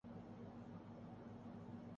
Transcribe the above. اس بارے میں ان کے کوئی تحفظات نہیں۔